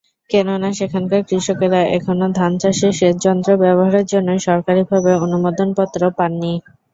কেননা সেখানকার কৃষকেরা এখনো ধান চাষে সেচযন্ত্র ব্যবহারের জন্য সরকারিভাবে অনুমোদনপত্র পাননি।